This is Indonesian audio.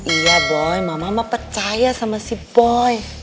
iya boy mama percaya sama si boy